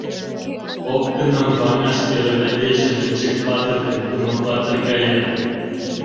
Опкыным ваҥаш первый кече Нӧнчык-патыр ден Тумо-патыр каят.